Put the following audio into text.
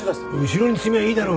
後ろに積めばいいだろ。